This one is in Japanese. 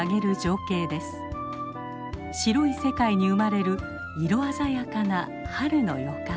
白い世界に生まれる色鮮やかな春の予感。